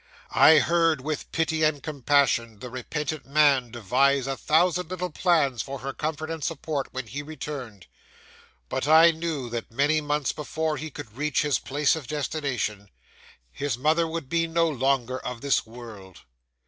I heard, with pity and compassion, the repentant man devise a thousand little plans for her comfort and support when he returned; but I knew that many months before he could reach his place of destination, his mother would be no longer of this world.